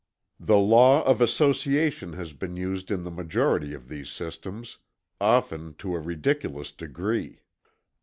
The law of Association has been used in the majority of these systems, often to a ridiculous degree.